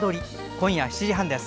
今夜７時半です。